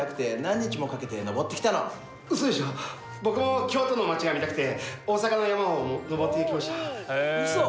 僕京都の町が見たくて大阪の山を登ってきました。